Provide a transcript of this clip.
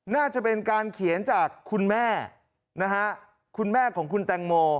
น่าจะเป็นการเขียนจากคุณแม่นะฮะคุณแม่ของคุณแตงโม